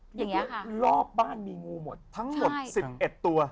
ก็ยังรอบบ้านหมดทั้งหมด๑๑ตัว